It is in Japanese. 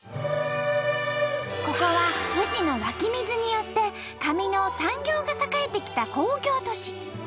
ここは富士の湧き水によって紙の産業が盛えてきた工業都市。